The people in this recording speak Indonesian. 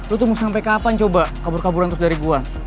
lo tuh sampe kapan coba kabur kaburan terus dari gue